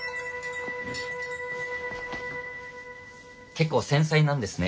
結構繊細なんですね